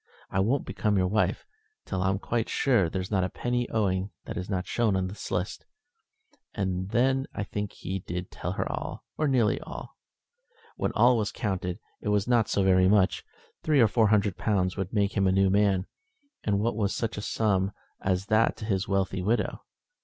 "I won't become your wife till I'm quite sure there's not a penny owing that is not shown in the list." Then I think he did tell her all, or nearly all. When all was counted it was not so very much. Three or four hundred pounds would make him a new man, and what was such a sum as that to his wealthy widow!